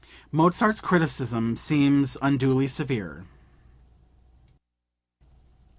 Mozart's criticism seems unduly severe.)